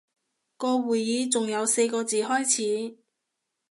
個會議仲有四個字開始